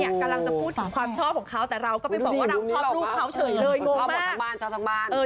กำลังจะพูดถึงความชอบของเขาแต่เราก็ไปบอกว่าเราชอบลูกเขาเฉยเลย